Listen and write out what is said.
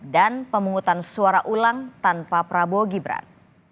dan pemungutan suara ulang tanpa prabowo gibran